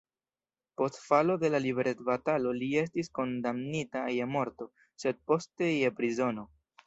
Post falo de la liberecbatalo li estis kondamnita je morto, sed poste je prizono.